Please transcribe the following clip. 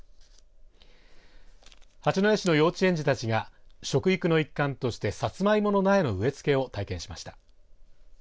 八戸市の幼稚園児たちが食育の一環としてサツマイモの苗の植え付けを体験しました。